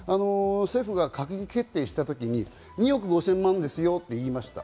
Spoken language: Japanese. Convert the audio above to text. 政府が閣議決定した時に２億５０００万円ですよと言いました。